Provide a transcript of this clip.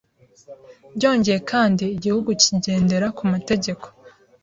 Byongeye kandi, Igihugu kigendera ku mategeko,